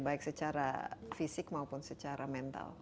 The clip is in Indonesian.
baik secara fisik maupun secara mental